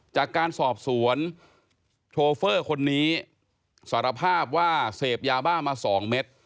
จากการสอบสวนโชเฟอร์คนนี้สารภาพว่าเสพยาบ้ามา๒เม็ด